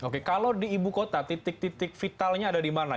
oke kalau di ibu kota titik titik vitalnya ada di mana